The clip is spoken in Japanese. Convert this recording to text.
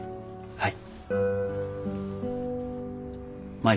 はい。